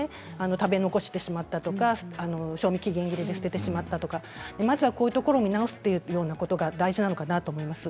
食べ残してしまったり賞味期限切れで捨ててしまったりまずはこういうところを見直すことが大事なのかなと思います。